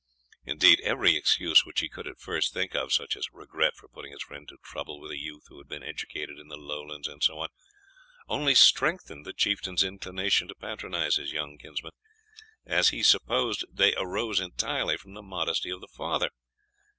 Indeed, every excuse which he could at first think of such as regret for putting his friend to trouble with a youth who had been educated in the Lowlands, and so on only strengthened the chieftain's inclination to patronise his young kinsman, as he supposed they arose entirely from the modesty of the father.